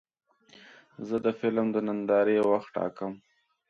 زه د فلم د نندارې وخت ټاکم.